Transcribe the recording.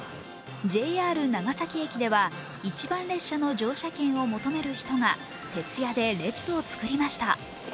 ＪＲ長崎駅では一番列車の乗車券を求める人が徹夜で列をつくりました。